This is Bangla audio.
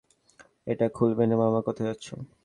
এটা খুলবে না--- মামা, কোথায় যাচ্ছো?